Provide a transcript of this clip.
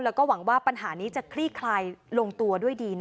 แล้วก็หวังว่าปัญหานี้จะคลี่คลายลงตัวด้วยดี